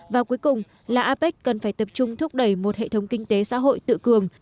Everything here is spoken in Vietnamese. và cuối cùng là apec cần phải tập trung thúc đẩy một hệ thống kinh tế xã hội tự cường